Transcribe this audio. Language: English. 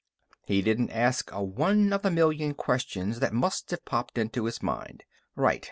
He didn't ask a one of the million questions that must have popped into his mind. "Right.